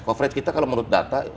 coverage kita kalau menurut data